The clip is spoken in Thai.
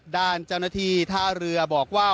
ด้านเจ้าหน้าที่ท่าเรือบอกว่า